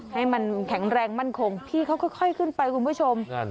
ให้มันแข็งแรงมั่นคงพี่เขาค่อยขึ้นไปคุณผู้ชม